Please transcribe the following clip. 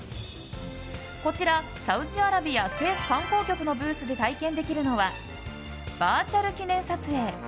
こちらサウジアラビア政府観光局のブースで体験できるのはバーチャル記念撮影。